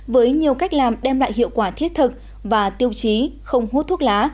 với nhiều cách làm đem lại hiệu quả thiết thực và tiêu chí không hút thuốc lá